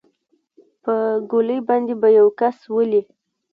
په ګولۍ باندې به يو کس ولې.